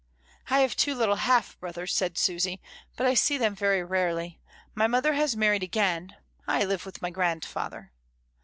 "I have two little half brothers," said Susy, "but I see them very rarely. My mother has married again. I live with my grandfather."